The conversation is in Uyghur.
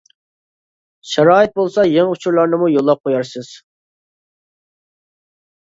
شارائىت بولسا يېڭى ئۇچۇرلارنىمۇ يوللاپ قويارسىز.